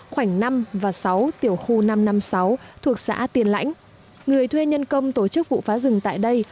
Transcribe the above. khoảnh năm và sáu tiểu khu năm trăm năm mươi sáu thuộc xã tiền lãnh người thuê nhân công tổ chức vụ phá rừng tại đây